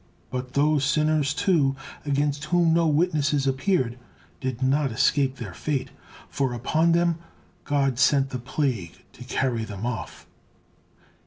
But those sinners, too, against whom no witnesses appeared, did not escape their fate, for upon them God sent the plague to carry them off.